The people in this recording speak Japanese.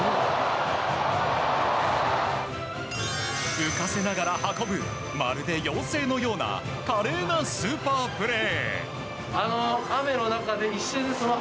浮かせながら運ぶまるで妖精のような華麗なスーパープレー。